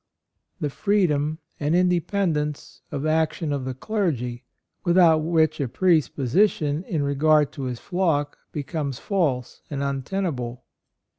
77 the freedom and independence of action of the clergy, without which a priest's position in re gard to his flock becomes false and untenable.